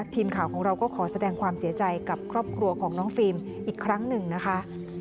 ทีมข่าวของเราก็ขอแสดงความเสียใจกับครอบครัวของน้องฟิล์มอีกครั้งหนึ่งนะคะ